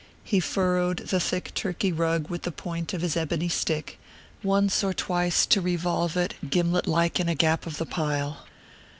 He furrowed the thick Turkey rug with the point of his ebony stick, pausing once or twice to revolve it gimlet like in a gap of the pile.